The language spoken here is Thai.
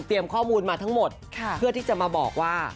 ข้อมูลมาทั้งหมดเพื่อที่จะมาบอกว่า